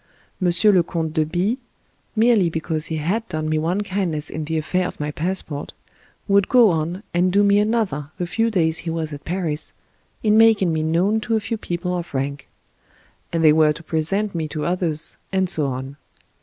Monsieur le Comte de B , merely because he had done me one kindness in the affair of my passport, would go on and do me another the few days he was at Paris, in making me known to a few people of rank ; and they were to present me to others, and so on.